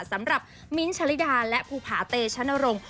มิ้นท์ชะลิดาและภูผาเตชะนรงค์